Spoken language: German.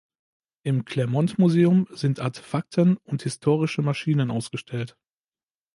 Im Clermont Museum sind Artefakten und historische Maschinen ausgestellt.